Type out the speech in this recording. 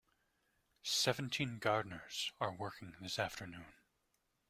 Seventeen gardeners are working this afternoon.